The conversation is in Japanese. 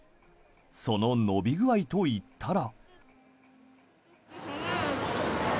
その伸び具合といったら。